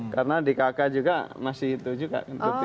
karena di kk juga masih itu juga